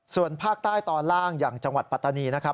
ส่วนภาคใต้ตอนล่างอย่างจังหวัดปัตตานีนะครับ